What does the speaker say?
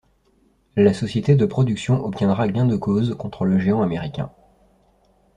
La société de production obtiendra gain de cause contre le géant américain.